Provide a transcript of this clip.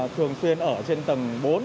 thường xuyên ở trên tầng bốn